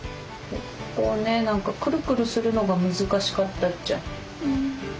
ここをね何かクルクルするのが難しかったっちゃ。